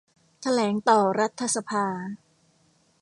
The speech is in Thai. แถลงต่อรัฐสภา